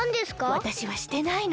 わたしはしてないの。